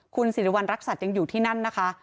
คุณสิริวัณรักษัตริย์ยังอยู่ที่นั่นนะคะ